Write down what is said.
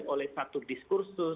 oleh satu diskursus